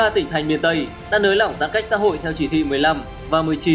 ba tỉnh thành miền tây đã nới lỏng giãn cách xã hội theo chỉ thị một mươi năm và một mươi chín